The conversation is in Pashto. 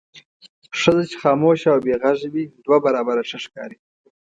ښځه چې خاموشه او بې غږه وي دوه برابره ښه ښکاري.